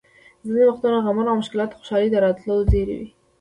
ځینې وخت غمونه او مشکلات د خوشحالۍ د راتلو زېری وي!